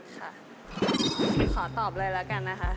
ขอตอบเลยแล้วกันนะคะ